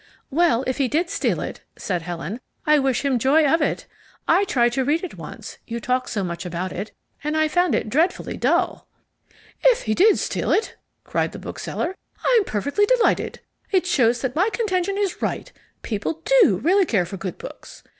"Well, if he did steal it," said Helen, "I wish him joy of it. I tried to read it once, you talked so much about it, and I found it dreadfully dull." "If he did steal it," cried the bookseller, "I'm perfectly delighted. It shows that my contention is right: people DO really care for good books.